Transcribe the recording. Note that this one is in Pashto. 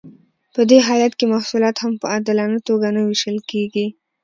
په دې حالت کې محصولات هم په عادلانه توګه نه ویشل کیږي.